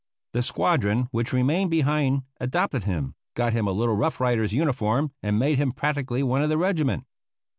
The squadron which remained behind adopted him, got him a little Rough Rider's uniform, and made him practically one of the regiment.